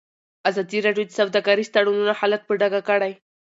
ازادي راډیو د سوداګریز تړونونه حالت په ډاګه کړی.